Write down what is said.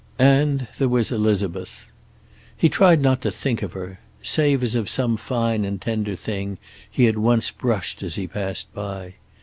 And there was Elizabeth. He tried not to think of her, save as of some fine and tender thing he had once brushed as he passed by.